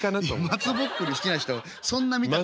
松ぼっくり好きな人そんな見たことないから。